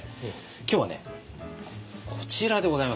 今日はねこちらでございます。